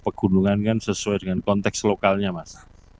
pegunungan kan sesuai dengan konteks lokalnya mas